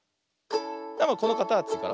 このかたちから。